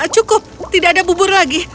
cukup tidak ada bubur lagi